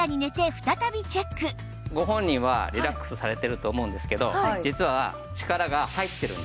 ご本人はリラックスされてると思うんですけど実は力が入ってるんですよ